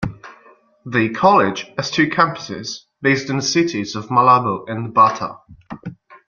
The college has two campuses, based in the cities of Malabo and Bata.